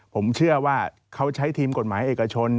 ผมเชื่อว่าเขาใช้ทีมกฎหมายเอกชน